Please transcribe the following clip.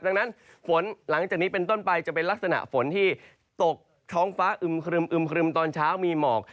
ดังนั้นฝนหลังจากนี้เป็นต้นไปจะเป็นลักษณะฝนที่ตกท้องฟ้าอึมครึมครึมตอนเช้ามีหมอก